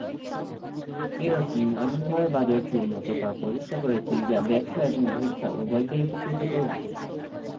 Pietersen এমনভাবে বাজারকে উন্নত করার প্রচেষ্টা করেছেন যা ব্যবসা এবং ভোক্তা উভয়কেই উপকৃত করবে।